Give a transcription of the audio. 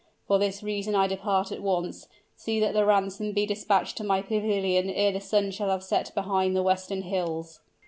For this reason I depart at once; see that the ransom be dispatched to my pavilion ere the sun shall have set behind the western hills."